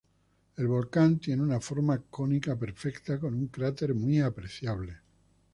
El volcán tiene una forma cónica perfecta, con un cráter muy apreciable.